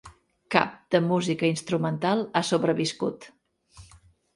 Cap de música instrumental ha sobreviscut.